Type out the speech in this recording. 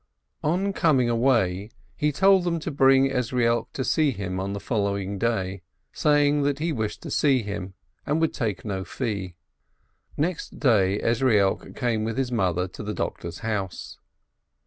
On coming away, he told them to bring Ezrielk to see him on the following day, saying that he wished to see him, and would take no fee. Next day Ezrielk came with his mother to the doctor's house.